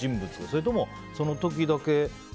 それとも、その時だけ？